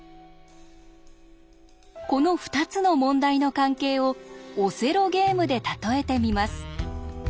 この２つの問題の関係をオセロゲームで例えてみます。